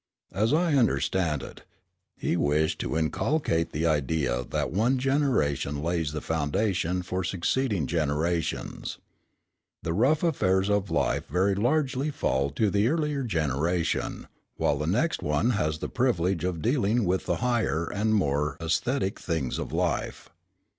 As I understand it, he wished to inculcate the idea that one generation lays the foundation for succeeding generations. The rough affairs of life very largely fall to the earlier generation, while the next one has the privilege of dealing with the higher and more æsthetic things of life.